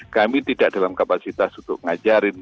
kami tidak dalam kapasitas untuk ngajarin